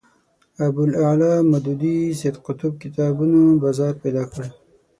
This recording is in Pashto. ابوالاعلی مودودي سید قطب کتابونو بازار پیدا کړ